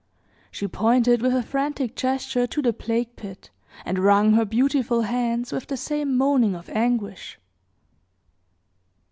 She pointed with a frantic gesture to the plague pit, and wrung her beautiful hands with the same moaning of anguish.